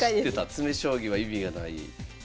詰将棋は意味がない。